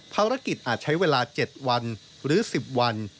อาจใช้เวลา๗วันหรือ๑๐วัน